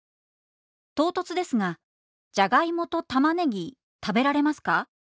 唐突ですがじゃがいもと玉ねぎ食べられますか？